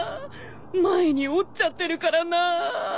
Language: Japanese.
前に折っちゃってるからなぁ。